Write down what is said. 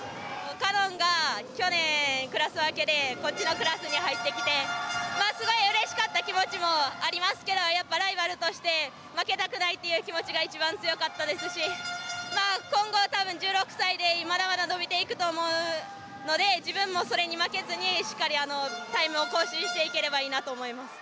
果音が去年クラス分けでこっちのクラスに入ってきてすごいうれしかった気持ちもありますけどやっぱライバルとして負けたくないっていう気持ちが一番強かったですし今後多分１６歳でまだまだ伸びていくと思うので自分もそれに負けずにしっかりタイムを更新していければいいなと思います。